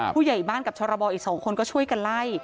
ผู้ใหญ่บ้านกับชรบอีก๒คนก็ช่วยกันไล่